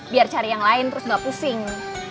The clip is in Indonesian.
biar cari yang lain terus nggak pusing